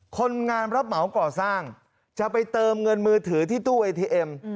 คนงานรับเหมาก่อสร้างจะไปเติมเงินมือถือที่ตู้เอทีเอ็ม